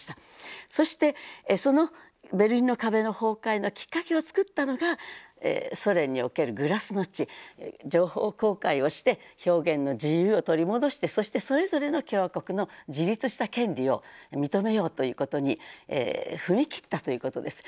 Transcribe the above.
そしてそのベルリンの壁の崩壊のきっかけを作ったのがソ連におけるグラスノスチ情報公開をして表現の自由を取り戻してそしてそれぞれの共和国の自立した権利を認めようということに踏み切ったということです。